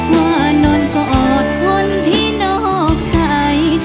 ว่านอนกอดคนที่นอกใจ